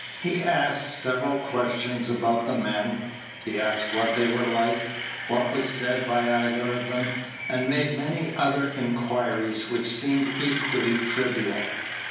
He asked several questions about the men. He asked what they were like; what was said by either of them; and made many other inquiries, which seemed equally trivial.